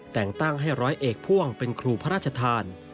แต่งตั้งให้ร้อยเอกพ่วงเป็นครูพระราชทาน